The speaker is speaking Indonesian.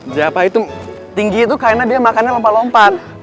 siapa itu tinggi itu karena dia makannya lompat lompat